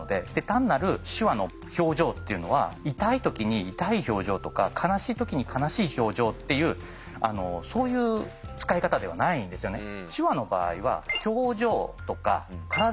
単なる手話の表情っていうのは痛い時に痛い表情とか悲しい時に悲しい表情っていうそういう使い方ではないんですよね。